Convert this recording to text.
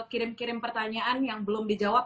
kirim kirim pertanyaan yang belum dijawab